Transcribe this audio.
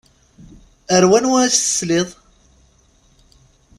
Ar wanwa i s-tesliḍ?